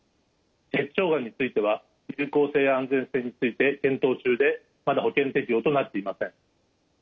結腸がんについては有効性や安全性について検討中でまだ保険適用となっていません。